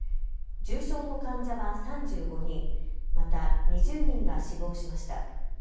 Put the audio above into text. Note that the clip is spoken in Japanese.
重症の患者は３５人、また２０人が死亡しました。